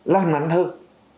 lan nảnh hơn